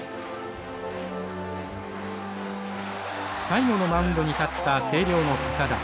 最後のマウンドに立った星稜の堅田。